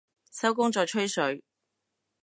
收工再吹水